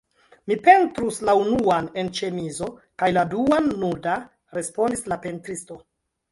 Mi pentrus la unuan en ĉemizo kaj la duan nuda, respondis la pentristo.